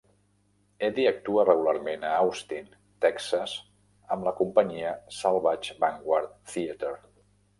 Eddy actua regularment a Austin, Texas amb la companyia Salvage Vanguard Theater.